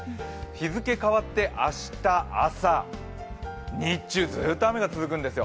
日付変わって明日朝、日中ずっと雨が続くんですよ。